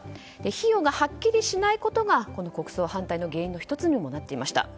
費用がはっきりしないことがこの国葬反対の原因の１つにもなっていました。